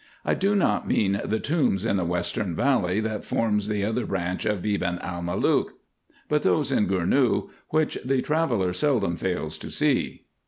I do not mean the tombs in the western valley, that forms the other branch of Beban el Malook ; but those in Gournou, which the tra veller seldom fails to see.